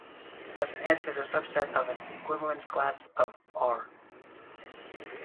Thus, "S" is a subset of an equivalence class of "R".